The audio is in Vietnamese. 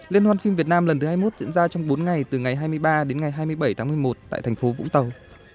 liên hoan phim việt nam lần thứ hai mươi một diễn ra trong bốn ngày từ ngày hai mươi ba đến ngày hai mươi bảy tháng một mươi một tại thành phố vũng tàu